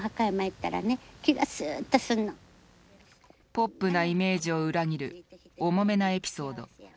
ポップなイメージを裏切る重めなエピソード。